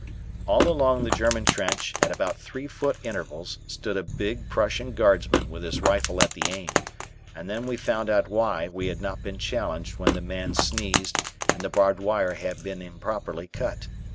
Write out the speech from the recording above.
All along the German trench, at about three foot intervals, stood a big Prussian guardsman with his rifle at the aim, and then we found out why we had not been challenged when the man sneezed and the barbed wire had been improperly cut.